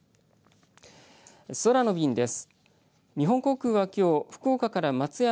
空の便です。